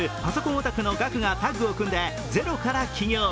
オタクのガクがタッグを組んでゼロから企業。